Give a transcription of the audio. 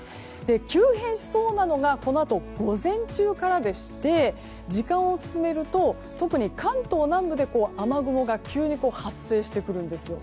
急変しそうなのがこのあと、午前中からでして時間を進めると特に関東南部で雨雲が急に発生してくるんです。